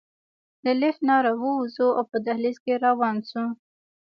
له لفټ نه راووځو او په دهلېز کې روان شو.